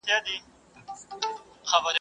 دا یو تاریخي ارزښت و چي افغانانو ساتلی و.